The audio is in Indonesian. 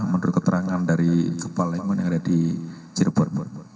menurut keterangan dari kepala lingkungan yang ada di cirebon